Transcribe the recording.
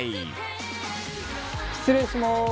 失礼します。